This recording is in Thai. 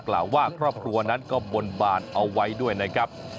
กล่าวว่าครอบครัวนั้นก็บนบานเอาไว้ด้วยนะครับ